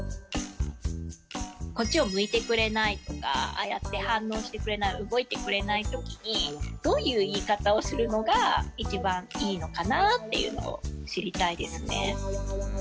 こっちを向いてくれないとかああやって反応してくれない動いてくれない時にどういう言い方をするのが一番いいのかなっていうのを知りたいですね。